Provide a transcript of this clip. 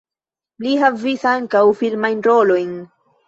Li havis ankaŭ filmajn rolojn.